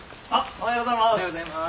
おはようございます。